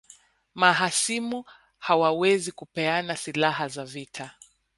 Mahasimu hawawezi kupeana silaha za vita